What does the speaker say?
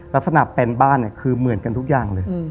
ลักษณะแปนบ้านเนี่ยคือเหมือนกันทุกอย่างเลย